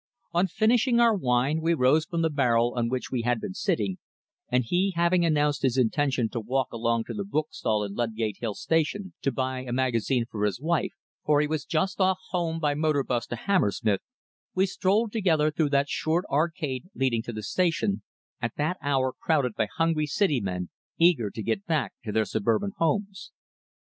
On finishing our wine we rose from the barrel on which we had been sitting, and he having announced his intention to walk along to the bookstall in Ludgate Hill Station to buy a magazine for his wife for he was just off home by motor bus to Hammersmith we strolled together through that short arcade leading to the station, at that hour crowded by hungry City men eager to get back to their suburban homes.